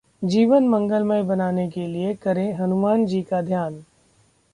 जीवन मंगलमय बनाने के लिए करें हनुमान जी का ध्यान...